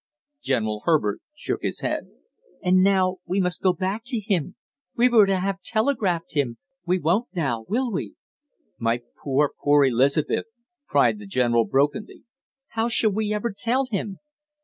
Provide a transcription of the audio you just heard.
General Herbert shook his head. "And now we must go back to him! We were to have telegraphed him; we won't now, will we?" "My poor, poor Elizabeth!" cried the general brokenly. "How shall we ever tell him!"